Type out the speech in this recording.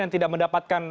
yang tidak mendapatkan